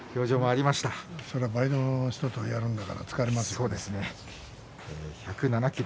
そりゃ倍の人とやるんだから疲れますよ。